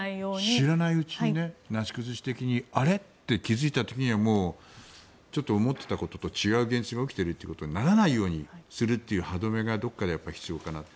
知らないうちになし崩し的にあれ？って気付いた時にはもうちょっと思ってたことと違う現実が起きているということにならないようにするという歯止めがどこかで必要かなと。